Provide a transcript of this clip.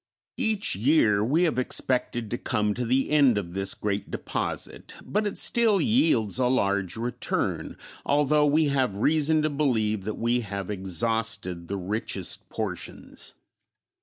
Each year we have expected to come to the end of this great deposit, but it still yields a large return, although we have reason to believe that we have exhausted the richest portions.